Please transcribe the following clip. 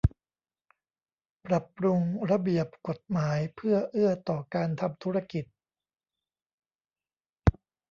ปรับปรุงระเบียบกฎหมายเพื่อเอื้อต่อการทำธุรกิจ